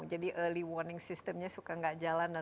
jadi early warning systemnya suka tidak jalan